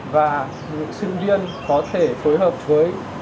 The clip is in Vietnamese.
và những sinh viên có thể phối hợp với